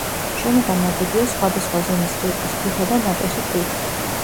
შენობა ნაგებია სხვადასხვა ზომის რიყის ქვითა და ნატეხი ქვით.